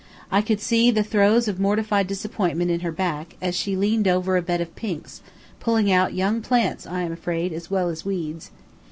I could see the throes of mortified disappointment in her back, as she leaned over a bed of pinks, pulling out young plants, I am afraid, as well as weeds.